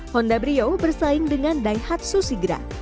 honda brio bersaing dengan daihatsu sigra